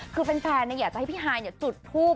คือแฟนอยากจะให้พี่ฮายจุดทูบ